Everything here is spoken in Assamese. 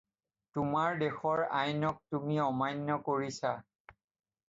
তোমাৰ দেশৰ আইনক তুমি অমান্য কৰিছা!